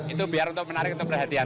itu biar untuk menarik untuk perhatian